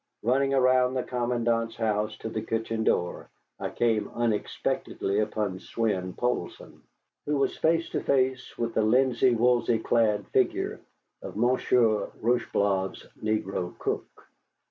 Running around the commandant's house to the kitchen door, I came unexpectedly upon Swein Poulsson, who was face to face with the linsey woolsey clad figure of Monsieur Rocheblave's negro cook.